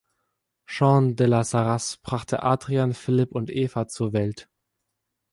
Jeanne de la Sarraz brachte Adrian, Philipp und Eva zur Welt.